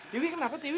tiwi kenapa tiwi